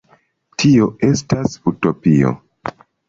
Tio estas utopio.